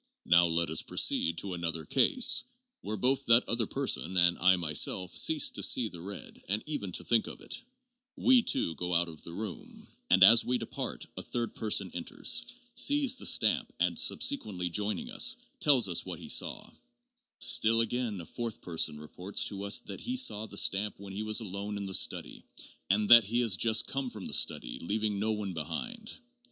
Now let us proceed to another case, where both that other person and I myself cease to see the red and even to think of it. We two go out of the room, and as we depart, a third person enters, sees the stamp 1 ' The Stream of Consciousness,' Vol. IV., p. 225. 449 450 THE JOURNAL OF PHILOSOPHY and, subsequently joining us, tells us what he saw. Still, again, a fourth person reports to us that he saw the stamp when he was alone in the study, and that he has just come from the study, leaving no one behind.